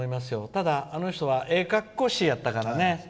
ただ、あの人はええ格好しいやったからね。